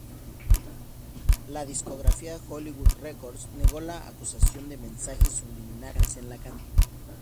La discográfica Hollywood Records negó la acusación de mensajes subliminales en la canción.